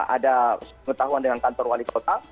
ada pengetahuan dengan kantor wali kota